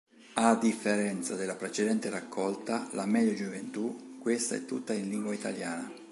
A differenza della precedente raccolta La meglio gioventù, questa è tutta in lingua italiana.